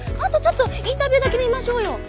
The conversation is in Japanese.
あとちょっとインタビューだけ見ましょうよ。